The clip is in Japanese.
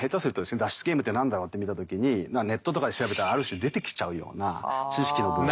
脱出ゲームって何だろうって見た時にネットとかで調べたらある種出てきちゃうような知識の分野。